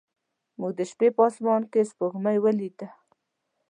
موږ د شپې په اسمان کې سپوږمۍ ولیده.